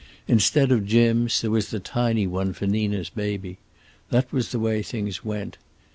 Instead of Jim's there was the tiny one for Nina's baby. That was the way things went.